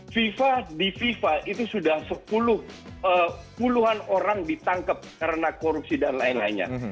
fifa di fifa itu sudah sepuluhan orang ditangkap karena korupsi dan lain lainnya